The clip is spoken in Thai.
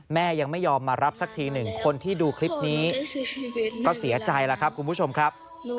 ยังไม่ยอมมารับสักทีหนึ่งคนที่ดูคลิปนี้ก็เสียใจแล้วครับคุณผู้ชมครับ